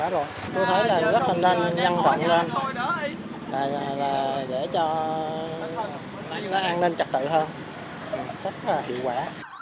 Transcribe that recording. rất là hiệu quả